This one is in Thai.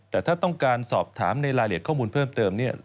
แต่ถ้าต้องการสอบถามในรายละเอียดข้อมูลเพิ่มเติมเนี่ย